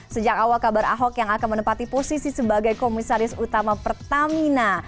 sejak awal kabar ahok yang akan menempati posisi sebagai komisaris utama pertamina